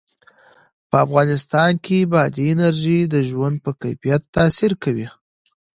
په افغانستان کې بادي انرژي د ژوند په کیفیت تاثیر کوي.